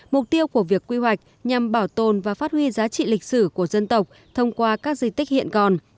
mục tiêu của việc quy hoạch nhằm bảo tồn và phát huy giá trị lịch sử của dân tộc thông qua các di tích hiện gòn